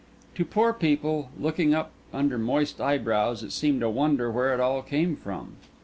To poor people, looking up under moist eyebrows, it seemed a wonder where it all came from.